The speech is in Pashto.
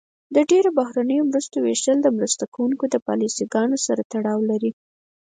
د ډیری بهرنیو مرستو ویشل د مرسته کوونکو د پالیسي ګانو سره تړاو لري.